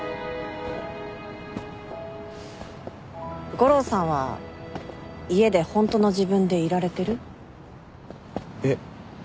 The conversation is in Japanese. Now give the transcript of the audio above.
悟郎さんは家で「ホントの自分」でいられてる？えっ？